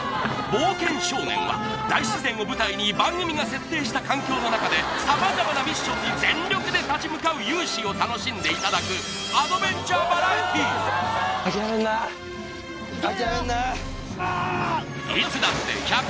冒険少年は大自然を舞台に番組が設定した環境のなかでさまざまなミッションに全力で立ち向かう勇姿を楽しんでいただくいつだって１００％